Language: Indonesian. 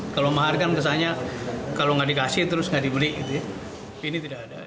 kalau mahar kan kesannya kalau tidak dikasih terus tidak dibeli